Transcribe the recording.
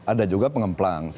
ada juga pengemplang sih